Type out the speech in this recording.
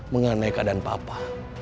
mengenai keadaan papa